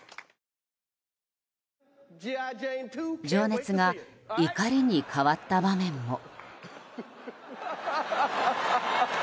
情熱が怒りに変わった場面も。